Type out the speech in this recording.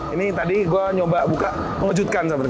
ini tadi gue coba buka mengejutkan sama tih